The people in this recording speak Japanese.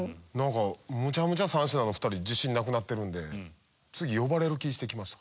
むちゃむちゃ３品の２人自信なくなってるんで次呼ばれる気してきました。